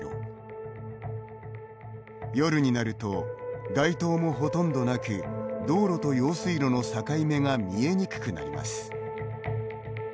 夜になると街灯もほとんどなく道路と用水路の境目が見えにくくなります。